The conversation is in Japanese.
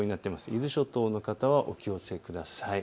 伊豆諸島の方はお気をつけください。